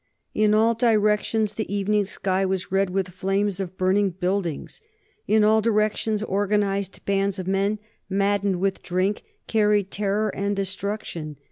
In all directions the evening sky was red with flames of burning buildings; in all directions organized bands of men, maddened with drink, carried terror and destruction.